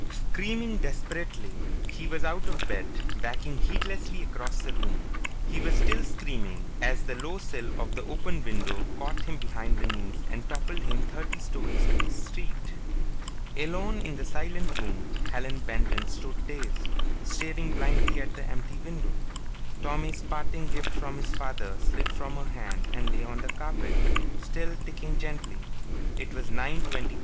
Screaming desperately, he was out of bed, backing heedlessly across the room. He was still screaming as the low sill of the open window caught him behind the knees and toppled him thirty stories to the street. Alone in the silent room, Helen Benton stood dazed, staring blindly at the empty window. Tommy's parting gift from his father slid from her hand and lay on the carpet, still ticking gently. It was 9:23 on Mars.